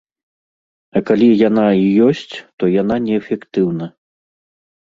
А калі яна і ёсць, то яна неэфектыўна.